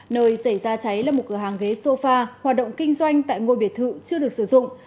nơi xảy ra cháy là một cửa hàng ghế sofa hoạt động kinh doanh tại ngôi biệt thự chưa được sử dụng